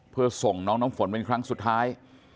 เพื่อส่งน้องน้ำฝนเป็นครั้งสุดท้าย